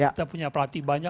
kita punya pelatih banyak